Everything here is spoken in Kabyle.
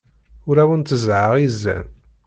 Ur awen-tteẓẓɛeɣ izan.